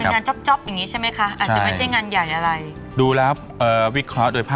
เป็นงานจ๊อบอย่างงี้ใช่มั้ยคะ